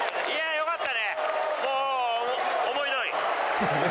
よかった。